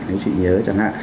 nếu chị nhớ chẳng hạn